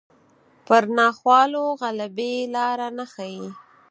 پر ناخوالو غلبې لاره نه ښيي